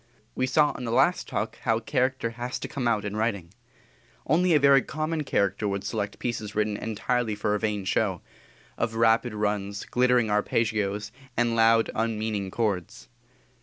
We saw in the last Talk how character has to come out in writing. Only a very common character would select pieces written entirely for a vain show of rapid runs, glittering arpeggios, and loud, unmeaning chords.